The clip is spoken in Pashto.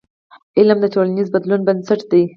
علم د ټولنیز بدلون بنسټ دی.